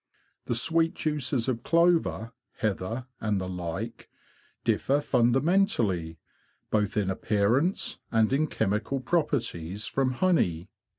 The sweet juices of clover, heather, and the like, differ fundamentally, both in appearance and in chemical properties from honey.